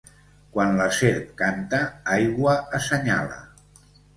Quan la serp canta, aigua assenyala.